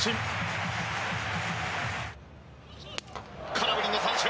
空振りの三振。